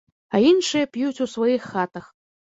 А іншыя п'юць у сваіх хатах.